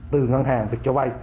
từ ngân hàng việc cho vay